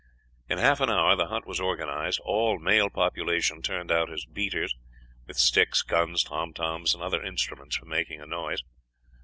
In half an hour the hunt was organized; all the male population turned out as beaters, with sticks, guns, tom toms, and other instruments for making a noise.